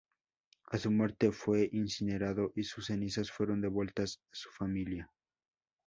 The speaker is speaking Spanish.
A su muerte, fue incinerado y sus cenizas fueron devueltas a su familia.